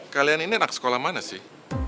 kalian ini anak sekolah mana sih